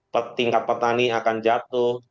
harga tingkat petani akan jatuh